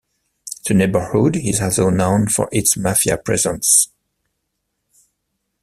The neighborhood is also known for its mafia presence.